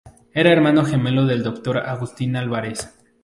Era hermano gemelo del doctor Agustín Álvarez.